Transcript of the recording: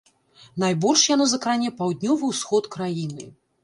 Найбольш яно закране паўднёвы ўсход краіны.